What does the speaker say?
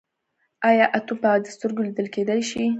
ایا اتوم په عادي سترګو لیدل کیدی شي.